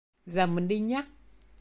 Giờ mình đi nhé